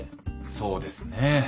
そうですね。